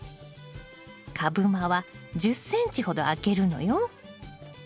株間は１０ｃｍほど空けるのよ。